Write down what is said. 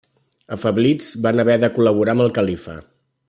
Afeblits van haver de col·laborar amb el califa.